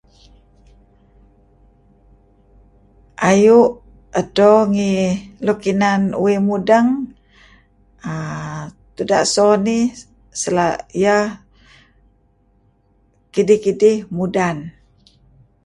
Ayuh adto ngi luk inan uih mudang[aah] tudah aso nih[sl...] iyah kidih kidih mudan